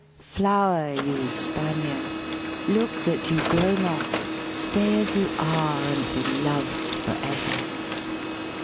Flower, you Spaniard, look that you grow not, Stay as you are and be loved forever!